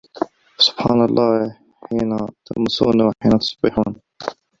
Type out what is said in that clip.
فَسُبحانَ اللَّهِ حينَ تُمسونَ وَحينَ تُصبِحونَ